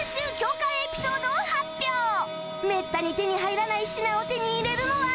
めったに手に入らない品を手に入れるのは？